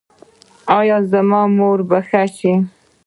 ایا زما مور به ښه شي؟